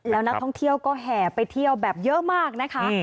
แล้วนักท่องเที่ยวก็แห่ไปเที่ยวแบบเยอะมากนะคะ